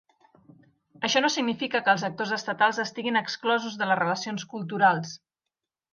Això no significa que els actors estatals estiguin exclosos de les relacions culturals.